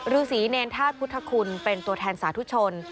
ฤษีเนรธาตุพุทธคุณเป็นตัวแทนสาธุชน